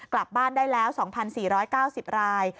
กลับบ้านได้แล้ว๒๔๙๐ราย